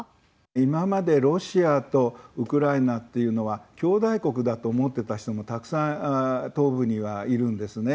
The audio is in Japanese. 今までロシアとウクライナっていうのはきょうだい国だと思っていた人もたくさん東部には、いるんですね。